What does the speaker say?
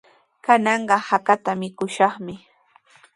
Kananqa hakata mikushaqmi.